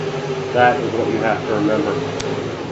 That is what you have to remember.